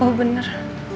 ya papa benar